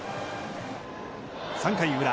３回裏。